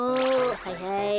はいはい。